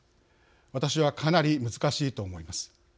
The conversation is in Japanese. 私は、かなり難しいと思います。